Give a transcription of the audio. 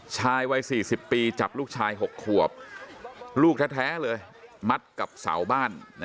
ชายวัย๔๐ปีจับลูกชาย๖ขวบลูกแท้เลยมัดกับเสาบ้าน